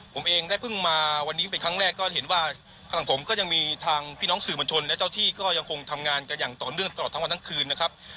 ผมเองได้เพิ่งมาวันนี้เป็นครั้งแรกก็เห็นว่าข้างหลังผมก็ยังมีทางพี่น้องสื่อมวลชนและเจ้าที่ก็ยังคงทำงานกันอย่างต่อเนื่องตลอดทั้งวันทั้งคืนนะครับ